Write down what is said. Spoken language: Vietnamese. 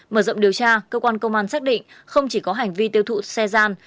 mở rộng điều tra cơ quan công an xác định không chỉ có hành vi tiêu thụ xe gian